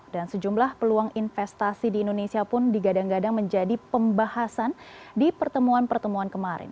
dan sejumlah peluang investasi di indonesia pun digadang gadang menjadi pembahasan di pertemuan pertemuan kemarin